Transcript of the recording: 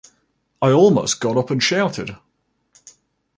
I almost got up and shouted.